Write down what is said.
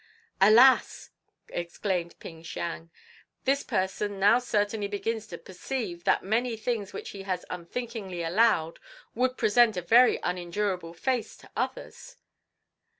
"Alas!" exclaimed Ping Siang, "this person now certainly begins to perceive that many things which he has unthinkingly allowed would present a very unendurable face to others."